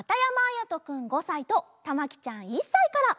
やとくん５さいとたまきちゃん１さいから。